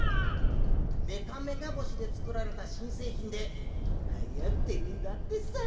メカメカ星でつくられたしんせいひんではやってるんだってさ。